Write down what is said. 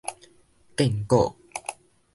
建古